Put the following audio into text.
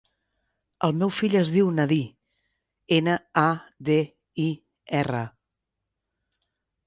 El meu fill es diu Nadir: ena, a, de, i, erra.